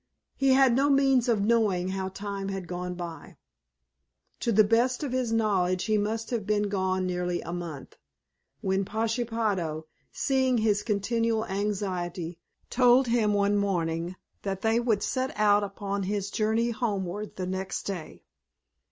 He had no means of knowing how time had gone by. To the best of his knowledge he must have been gone nearly a month, when Pashepaho, seeing his continual anxiety, told him one morning that they would set out upon his journey homeward the next day.